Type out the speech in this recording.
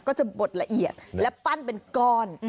ก็จะบดละเอียดและปั้นเป็นก้อน